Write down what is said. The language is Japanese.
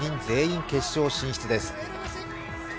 全員決勝進出です。